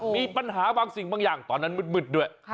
มีปัญหาบางสิ่งบางอย่างตอนนั้นมืดด้วย